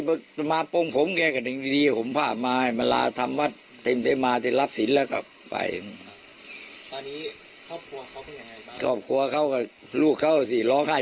บุฤษฐ์ก็แกคงจะโทรมาเขามีโทรศัพท์จะให้ใครไปรับแกแกจะรู้ก่อนเสียเนี่ย